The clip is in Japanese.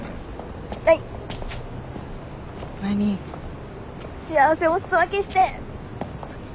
幸せお裾分けして！